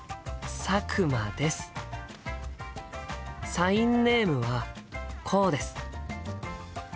サインネームはこうです。